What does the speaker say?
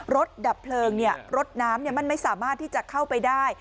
รถดับเพลิงเนี่ยรถน้ำเนี่ยมันไม่สามารถที่จะเข้าไปได้